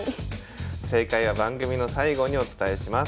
正解は番組の最後にお伝えします。